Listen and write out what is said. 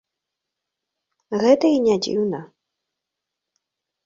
Гэта і не дзіўна.